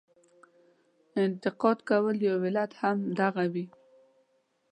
انتقاد کولو یو علت هم دغه وي.